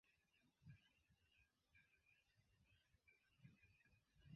Kia diverseco?